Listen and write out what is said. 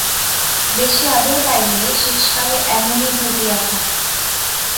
বেশি আদর পাইলে শেষকালে এমনই ঘটিয়া থাকে।